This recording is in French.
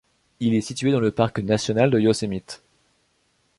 Il est situé dans le parc national de Yosemite.